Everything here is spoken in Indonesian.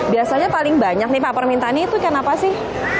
biasanya paling banyak nih pak permintaan itu ikan apa sih